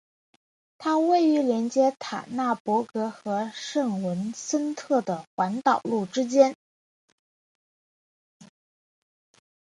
它位于连接塔纳帕格和圣文森特的环岛路之间。